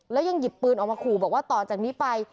แล้วยังหยิบปืนออกมาขู่บอกว่าต่อจากนี้ไป